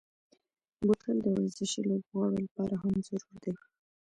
بوتل د ورزشي لوبغاړو لپاره هم ضروري دی.